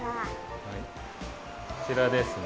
こちらですね。